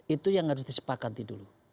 itu yang harus disepakati dulu